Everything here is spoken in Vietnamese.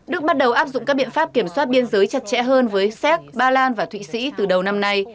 đức bắt đầu áp dụng các biện pháp kiểm soát biên giới chặt chẽ hơn với séc ba lan và thụy sĩ từ đầu năm nay